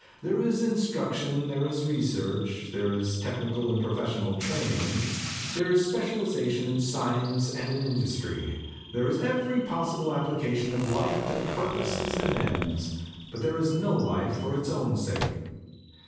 There is instruction; there is research; there is technical and profes sional training; there is specialisation in science and in industry; there is every possible applica tion of life to purposes and ends; but there is no life for its own sake."